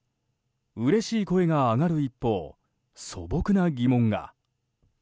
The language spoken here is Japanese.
うれしい声が上がる一方素朴な疑問が。